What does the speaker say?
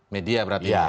media berarti ya